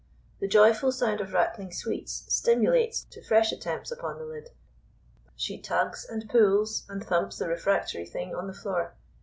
The joyful sound of rattling sweets stimulates to fresh attempts upon the lid. She tugs and pulls, and thumps the refractory thing on the floor.